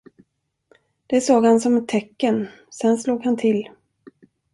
Det såg han som ett tecken, sen slog han till.